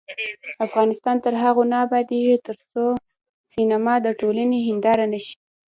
افغانستان تر هغو نه ابادیږي، ترڅو سینما د ټولنې هنداره نشي.